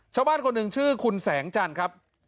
ชาวบ้านคนหนึ่งชื่อคุณแสงจันทร์ครับ